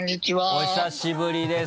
お久しぶりです。